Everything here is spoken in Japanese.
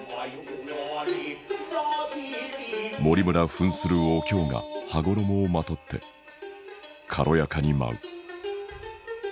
森村ふんするお京が羽衣をまとって軽やかに舞う。